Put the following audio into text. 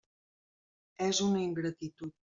És una ingratitud.